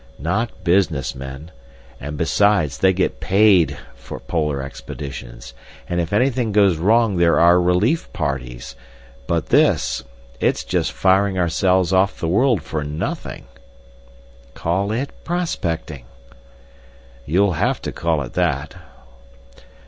"Not business men. And besides, they get paid for polar expeditions. And if anything goes wrong there are relief parties. But this—it's just firing ourselves off the world for nothing." "Call it prospecting." "You'll have to call it that....